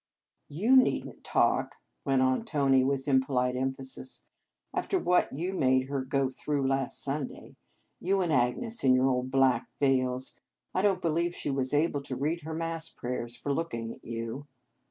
228 The Game of Love " Tou need n t talk," went on Tony with impolite emphasis, " after what you made her go through last Sunday. You and Agnes in your old black veils. I don t believe she was able to read her Mass prayers for looking at you."